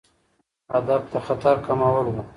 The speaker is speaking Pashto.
هدف د خطر کمول وو.